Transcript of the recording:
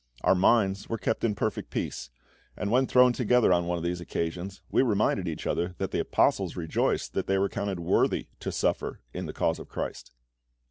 Our minds were kept in perfect peace; and when thrown together on one of these occasions, we reminded each other that the Apostles rejoiced that they were counted worthy to suffer in the cause of CHRIST.